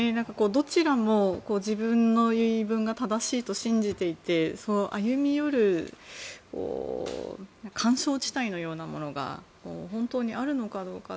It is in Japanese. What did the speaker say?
どちらも自分の言い分が正しいと信じていて歩み寄る緩衝地帯のようなものが本当にあるのかどうか。